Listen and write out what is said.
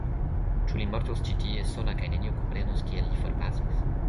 Ĉu li mortos ĉi tie, sola kaj neniu komprenos kiel li forpasis?